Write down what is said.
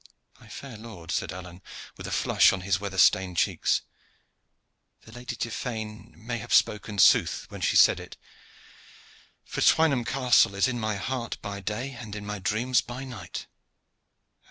"My fair lord," said Alleyne, with a flush on his weather stained cheeks, "the Lady Tiphaine may have spoken sooth when she said it; for Twynham Castle is in my heart by day and in my dreams by night."